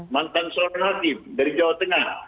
mantan seorang hakim dari jawa tengah